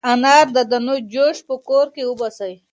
تاسو څنګه د انار د دانو جوس په کور کې وباسئ؟